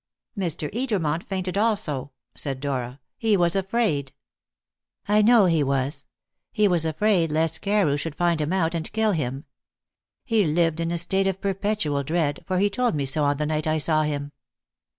"Mr. Edermont fainted also," said Dora; "he was afraid." "I know he was. He was afraid lest Carew should find him out and kill him. He lived in a state of perpetual dread, for he told me so on the night I saw him."